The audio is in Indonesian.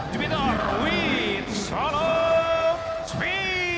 jupiter menang solo spin